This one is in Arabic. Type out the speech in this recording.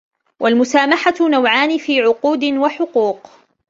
وَالْمُسَامَحَةُ نَوْعَانِ فِي عُقُودٍ وَحُقُوقٍ